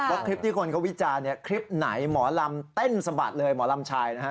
คลิปที่คนเขาวิจารณ์เนี่ยคลิปไหนหมอลำเต้นสะบัดเลยหมอลำชายนะฮะ